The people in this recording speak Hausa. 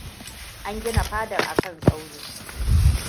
An gina fadar akan tsauni.